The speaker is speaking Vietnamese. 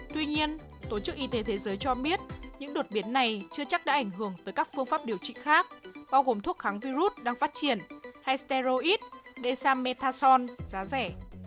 tuy nhiên tổ chức y tế thế giới cho biết những đột biến này chưa chắc đã ảnh hưởng tới các phương pháp điều trị khác bao gồm thuốc kháng virus đang phát triển hay sterid desa metason giá rẻ